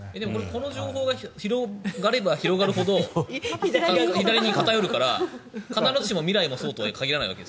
この情報が広がれば広がるほど左に偏るから必ずしも未来がそうとは限らないと。